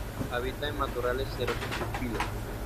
Habita en matorrales xerófilos.